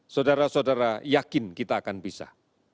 saudara saudara yakin kita akan bisa